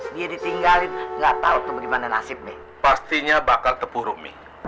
dia ditinggalin nggak tahu tuh gimana nasibnya pastinya bakal tepuh rumi